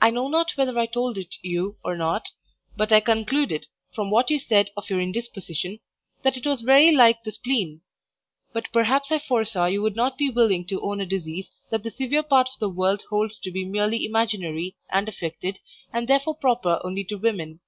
I know not whether I told it you or not, but I concluded (from what you said of your indisposition) that it was very like the spleen; but perhaps I foresaw you would not be willing to own a disease that the severe part of the world holds to be merely imaginary and affected, and therefore proper only to women.